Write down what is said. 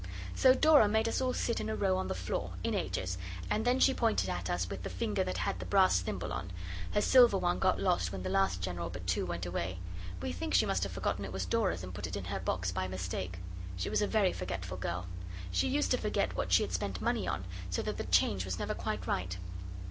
So Dora made us all sit in a row on the floor, in ages, and then she pointed at us with the finger that had the brass thimble on. Her silver one got lost when the last General but two went away. We think she must have forgotten it was Dora's and put it in her box by mistake. She was a very forgetful girl. She used to forget what she had spent money on, so that the change was never quite right.